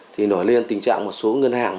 thì nổi lên tình trạng một số ngân hàng